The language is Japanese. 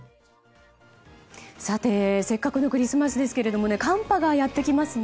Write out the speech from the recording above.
せっかくのクリスマスですが寒波がやってきますね。